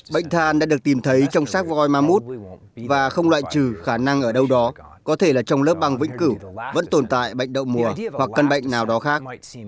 bệnh than đã được tìm thấy trong sát voi ma mút và không loại trừ khả năng ở đâu đó có thể là trong lớp băng vĩnh cửu vẫn tồn tại bệnh đậu mùa hoặc căn bệnh nào đó khác